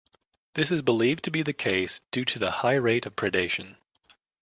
This is believed to be the case due to the high rate of predation.